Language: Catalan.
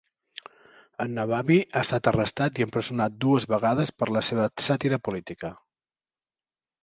En Nabavi ha estat arrestat i empresonat dues vegades per la seva sàtira política.